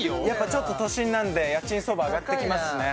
ちょっと都心なんで家賃相場上がってきますね